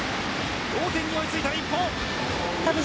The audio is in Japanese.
同点に追いついた日本。